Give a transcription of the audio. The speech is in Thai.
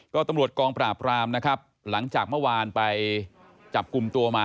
ก็ตำรวจกองปราบรามนะครับหลังจากเมื่อวานไปจับกลุ่มตัวมา